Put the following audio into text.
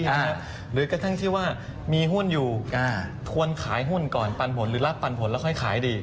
หรือกระทั่งที่ว่ามีหุ้นอยู่ควรขายหุ้นก่อนปันผลหรือรับปันผลแล้วค่อยขายดี